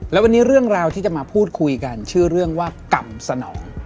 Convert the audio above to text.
แล้ววันนี้เรื่องราวที่จะมาพูดคุยกันชื่อเรื่องว่ากรรมสนอง